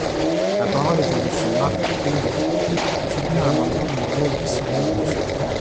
La parole est à Monsieur Marc Fesneau, pour soutenir l’amendement numéro huit cent onze.